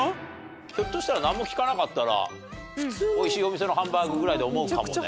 ひょっとしたらなんも聞かなかったら美味しいお店のハンバーグぐらいで思うかもね。